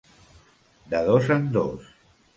De dos en dos.